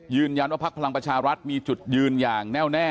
ยืนยันว่าพักพลังประชารัฐมีจุดยืนอย่างแน่ว